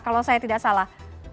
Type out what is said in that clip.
kalau saya tidak salah